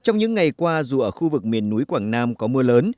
trong những ngày qua dù ở khu vực miền núi quảng nam có mưa lớn